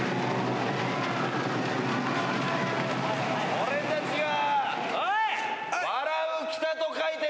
俺たちは。